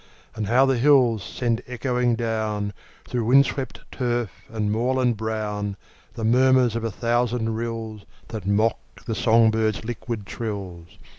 And how the hills send echoing down, Through wind swept turf and moorland brown, The murmurs of a thousand rills That mock the song birds' liquid trills!